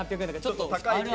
ちょっと高いけど。